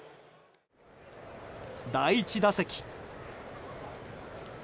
第１打席。